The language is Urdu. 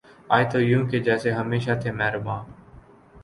آئے تو یوں کہ جیسے ہمیشہ تھے مہرباں